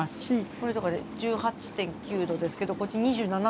これとか１８．９℃ですけどこっち２７℃とか。